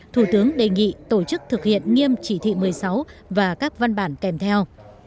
thủ tướng đề nghị tổ chức thực hiện nghiêm chỉ thị một mươi sáu và các văn bản kèm theo